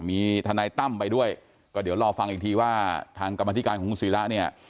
มีทนายตั้มไปด้วยก็เดี๋ยวรอฟังอีกทีว่าทางกรรมธิการของคุณศิระเนี่ย